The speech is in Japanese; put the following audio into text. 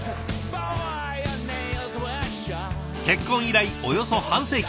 結婚以来およそ半世紀。